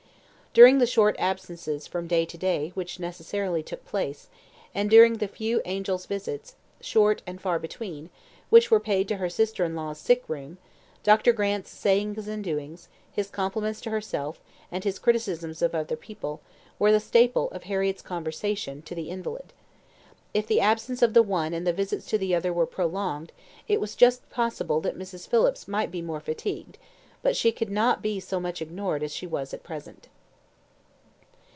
During the short absences from day to day which necessarily took place, and during the few angel's visits, 'short, and far between,' which were paid to her sister in law's sick room, Dr. Grant's sayings and doings, his compliments to herself, and his criticisms of other people, were the staple of Harriett's conversation to the invalid. If the absence of the one and the visits to the other were prolonged, it was just possible that Mrs. Phillips might be more fatigued; but she could not be so much ignored as she was at present.